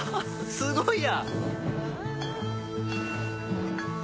すごいや！